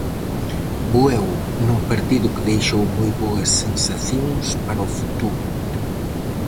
Bueu, nun partido que deixou moi boas sensacións para o futuro.